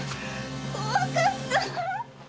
怖かった！